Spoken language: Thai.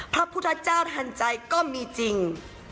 พระพุทธเจ้าทันใจก็มีจริง